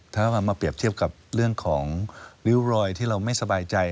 ถ้าเรามาเปรียบเทียบกับเรื่องของริ้วรอยที่เราไม่สบายใจ